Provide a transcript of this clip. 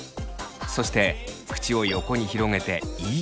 そして口を横に広げて「い」。